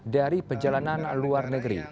dari perjalanan luar negeri